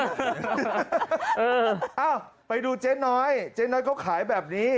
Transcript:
เอ้าไปดูเจ๊น้อยเจ๊น้อยเขาขายแบบนี้